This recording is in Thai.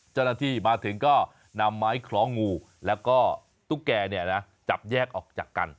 เจ้าหน้าที่มาถึงก็นำไม้คล้องงูแล้วก็ตุ๊กแกเนี่ยนะจับแยกออกจากกัน